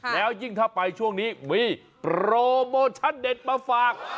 แล้วยิ่งถ้าไปช่วงนี้มีโปรโมชั่นเด็ดมาฝาก